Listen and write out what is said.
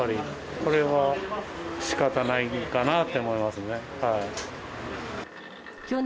これはしかたないんかなって思いますね。